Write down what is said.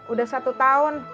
udah satu tahun